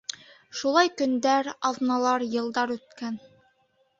Шулай көндәр, аҙналар, йылдар үткән.